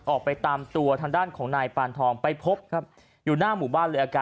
ออกไปตามตัวทางด้านของนายปานทองไปพบ